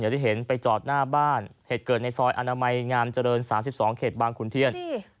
ที่เห็นไปจอดหน้าบ้านเหตุเกิดในซอยอนามัยงามเจริญ๓๒เขตบางขุนเทียน